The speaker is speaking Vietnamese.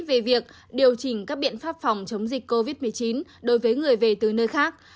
về việc điều chỉnh các biện pháp phòng chống dịch covid một mươi chín đối với người về từ nơi khác